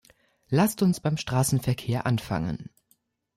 Lasst uns beim Straßenverkehr anfangen!